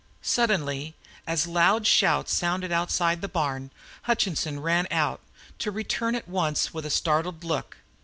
Suddenly, as loud shouts sounded outside the barn, Hutchinson ran out, to return at once with a startled look.